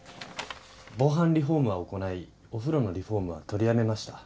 防犯リフォームは行ないお風呂のリフォームは取りやめました。